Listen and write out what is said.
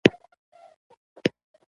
تعلیم او تربیه یو د بل لازم او ملزوم دي